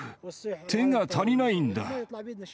手が足りないんだ。